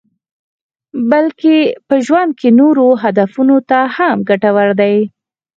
بلکې په ژوند کې نورو هدفونو ته هم ګټور دي.